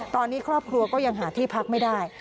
ตอนนี้ครอบครัวก็ยังหาที่พักไม่ได้